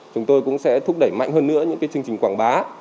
chúng tôi cũng sẽ thúc đẩy mạnh hơn nữa những chương trình quảng bá